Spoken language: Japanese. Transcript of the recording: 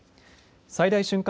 最大瞬間